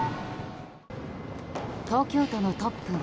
東京都のトップは。